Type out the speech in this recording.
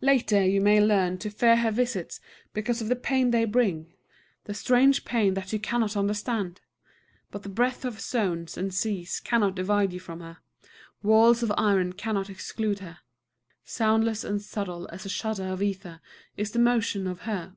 Later you may learn to fear her visits because of the pain they bring, the strange pain that you cannot understand. But the breadth of zones and seas cannot divide you from her; walls of iron cannot exclude her. Soundless and subtle as a shudder of ether is the motion of her.